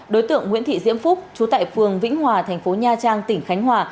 đối tượng nguyễn thị diễm phúc chú tại phường vĩnh hòa thành phố nha trang tỉnh khánh hòa